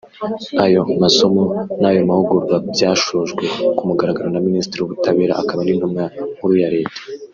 Ayo masomo n’ayo mahugurwa byashojwe ku mugaragaro na Minisitiri w’Ubutabera akaba n’Intumwa Nkuru ya Leta